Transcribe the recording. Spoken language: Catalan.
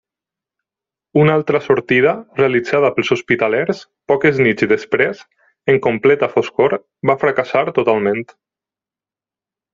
Una altra sortida realitzada pels hospitalers, poques nits després, en completa foscor, va fracassar totalment.